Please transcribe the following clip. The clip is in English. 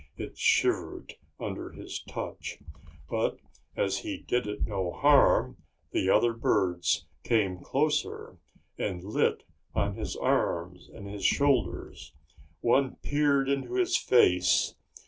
It shivered under his touch. But, as he did it no harm, the other birds came closer and lit on his arms and his shoulders. One peered into his face.